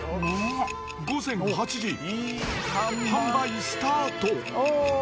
午前８時、販売スタート。